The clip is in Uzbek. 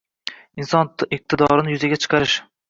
Inson iqtidorini yuzaga chiqarish